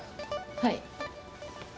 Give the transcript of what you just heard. はい。